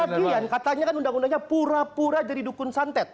bagian katanya kan undang undangnya pura pura jadi dukun santet